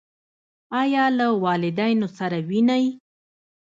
ایا له والدینو سره وینئ؟